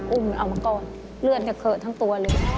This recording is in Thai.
อุ้มเหมือนเอามาก้อนเลือดเกิดทั้งตัวเลย